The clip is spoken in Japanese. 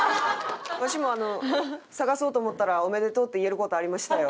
わしも探そうと思ったら「おめでとう」って言える事ありましたよ。